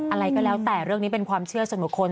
อะไรก็แล้วแต่เรื่องนี้เป็นความเชื่อส่วนบุคคล